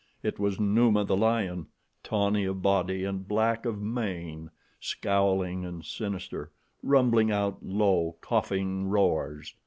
It was Numa, the lion, tawny of body and black of mane, scowling and sinister, rumbling out low, coughing roars.